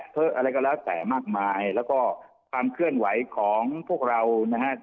อะไรก็แล้วแต่มากมายแล้วก็ความเคลื่อนไหวของพวกเรานะฮะ